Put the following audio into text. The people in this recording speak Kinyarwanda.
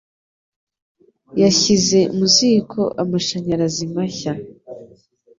Yashyize mu ziko amashanyarazi mashya.